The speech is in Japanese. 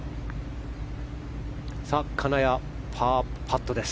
金谷、パーパットです。